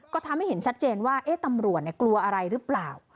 ก็ทำให้เห็นชัดเจนว่าตำรวจกลัวอะไรหรือเปล่า